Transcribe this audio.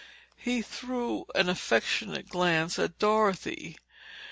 He threw an affectionate glance at Dorothy.